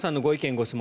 ・ご質問